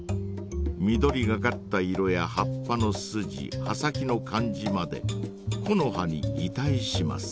緑がかった色や葉っぱのスジ葉先の感じまで木の葉にぎたいします。